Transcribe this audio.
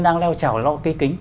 đang leo trào lo cây kính